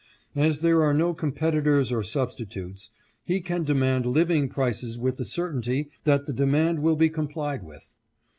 As there are no competitors or substitutes, he can demand living prices with the certainty that the demand will be complied with.